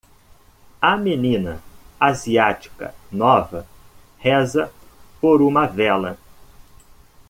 A menina asiática nova reza por uma vela.